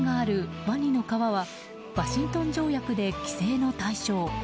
絶滅の恐れがあるワニの皮はワシントン条約で規制の対象。